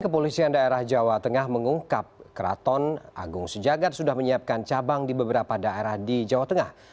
kepolisian daerah jawa tengah mengungkap keraton agung sejagat sudah menyiapkan cabang di beberapa daerah di jawa tengah